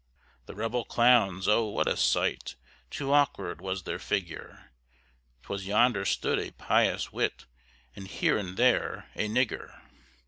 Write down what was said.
The rebel clowns, oh! what a sight! Too awkward was their figure. 'Twas yonder stood a pious wight, And here and there a nigger.